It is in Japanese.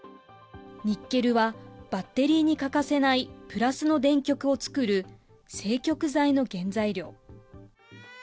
ニッケルはバッテリーに欠かせないプラスの電極を作る正極材の原材料。